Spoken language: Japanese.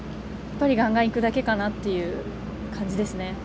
がんがんいくだけかなという感じですね。